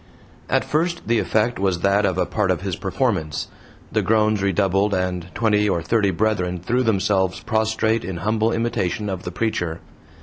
At first the effect was that of a part of his performance; the groans redoubled, and twenty or thirty brethren threw themselves prostrate in humble imitation of the preacher.